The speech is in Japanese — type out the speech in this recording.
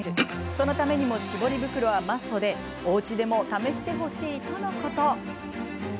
そのためにも絞り袋はマストでおうちでも試してほしいとのこと。